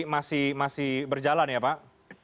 masih berjalan ya pak